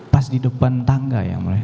pas di depan tangga ya mulia